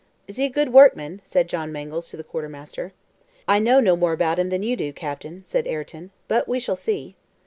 "Is he a good workman?" said John Mangles to the quartermaster. "I know no more about him than you do, captain," said Ayrton. "But we shall see."